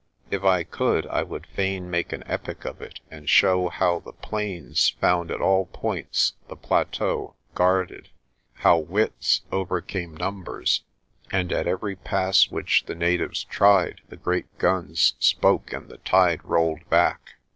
If I could, I would fain make an epic of it and show how the Plains found at all points the Plateau guarded, how wits overcame numbers, and at every pass which the natives tried the great guns spoke and the tide rolled back.